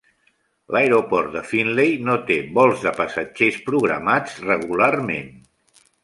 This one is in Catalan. L'aeroport de Findlay no té vols de passatgers programats regularment.